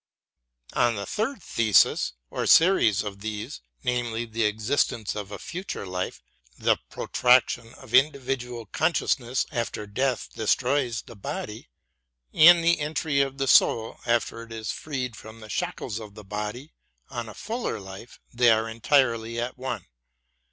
On the third thesis, or series of theses, namely, the existence of a future life ; the protraction of individual consciousness after death destroys the body ; and the entry of the soul, after it is freed from the shackles of the body, on a fuller life, they are entirely at one.